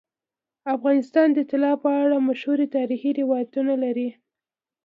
افغانستان د طلا په اړه مشهور تاریخی روایتونه لري.